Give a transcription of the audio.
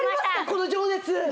この情熱